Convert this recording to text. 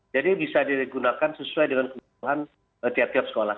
jadi bisa digunakan sesuai dengan kebutuhan tiap tiap sekolah